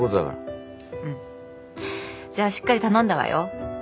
じゃあしっかり頼んだわよ。